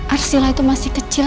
arsila itu masih kecil